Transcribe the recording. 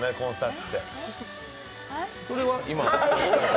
それは今。